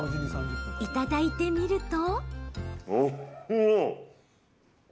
いただいてみると。